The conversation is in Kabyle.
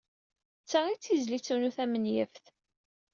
D ta ay d tizlit-inu tamenyaft.